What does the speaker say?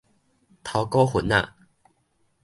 頭股份仔